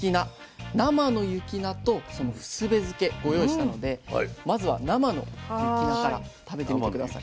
生の雪菜とふすべ漬ご用意したのでまずは生の雪菜から食べてみて下さい。